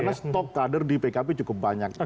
karena stok kader di pkb cukup banyak